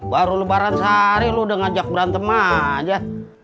baru lebaran sehari lu udah ngajak berantem aja